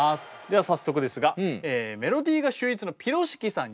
では早速ですがメロディーが秀逸なピロシキさん